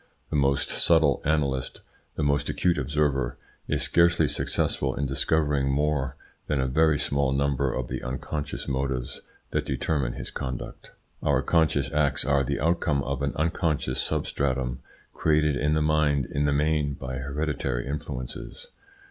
The most subtle analyst, the most acute observer, is scarcely successful in discovering more than a very small number of the unconscious motives that determine his conduct. Our conscious acts are the outcome of an unconscious substratum created in the mind in the main by hereditary influences.